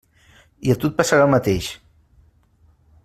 I a tu et passarà el mateix.